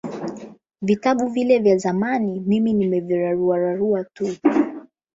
Vitabu vile vya zamani mimi nimeviraruararua tu